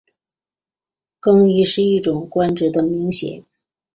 更衣是一个职官的名衔。